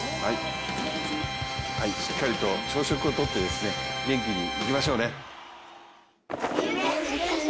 しっかりと朝食取って元気にいきましょうね。